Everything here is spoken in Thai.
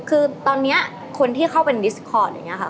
คือตอนนี้คนที่เข้าเป็นดิสคอร์ดอย่างนี้ค่ะ